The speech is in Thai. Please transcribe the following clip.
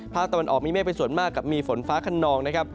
ภาคตะวันออกมีเมฆเป็นส่วนมากกับมีฝนฟ้าขนองนะครับ